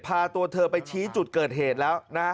พาตัวเธอไปชี้จุดเกิดเหตุแล้วนะ